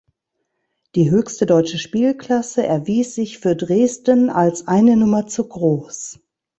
Die höchste deutsche Spielklasse erwies sich für Dresden als eine Nummer zu groß.